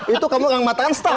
itu kamu yang matang star